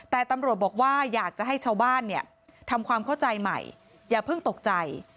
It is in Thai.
แต่ตำรวจบอกว่าอยากจะให้ชาวบ้านเนี่ยทำความเข้าใจใหม่อย่าเพิ่งตกใจ